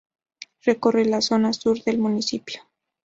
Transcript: Recorre la zona sur del municipio.